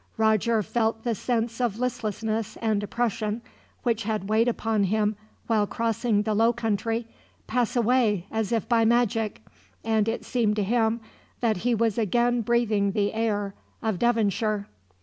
Roger felt the sense of listlessness and oppression, which had weighed upon him while crossing the low country, pass away as if by magic; and it seemed to him that he was again breathing the air of Devonshire.